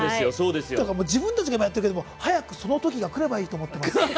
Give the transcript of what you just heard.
自分たちがやってるけど早くそのときがくればいいと思っています。